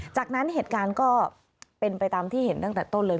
จากนั้นเหตุการณ์ก็เป็นไปตามที่เห็นตั้งแต่ต้นเลย